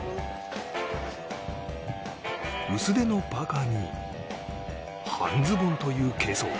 薄手のパーカに半ズボンという軽装